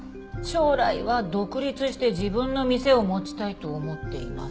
「将来は独立して自分の店を持ちたいと思っています」。